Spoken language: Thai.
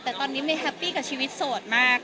แต่ตอนนี้ไม่แฮปปี้กับชีวิตโสดมาก